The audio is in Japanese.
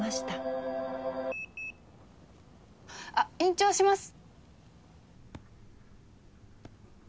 ピピッあっ延長します！